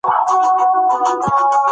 باد د ونې پاڼې په ارامه خوځولې.